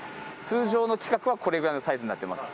通常の規格はこれぐらいのサイズになってます